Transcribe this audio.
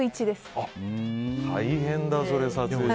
大変だ、それは。